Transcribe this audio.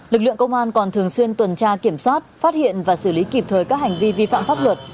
lực lượng công an còn thường xuyên tuần tra kiểm soát phát hiện và xử lý kịp thời các hành vi vi phạm pháp luật